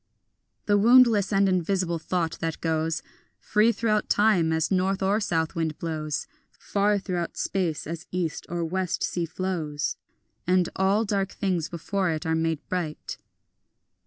The woundless and invisible thought that goes Free throughout time as north or south wind blows, Far throughout space as east or west sea flows, And all dark things before it are made bright.